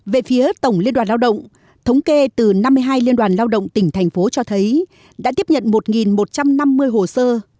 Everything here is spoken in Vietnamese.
về phía tổng liên đoàn lao động thống kê từ năm mươi hai liên đoàn lao động tỉnh thành phố cho thấy đã tiếp nhận một một trăm năm mươi hồ sơ